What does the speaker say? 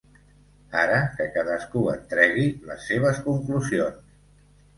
Ara que cadascú en tregui les seves conclusions.